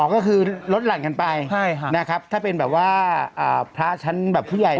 ก็คือลดหลั่นกันไปนะครับถ้าเป็นแบบว่าพระชั้นแบบผู้ใหญ่